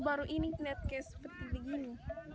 baru ini terlihat seperti begini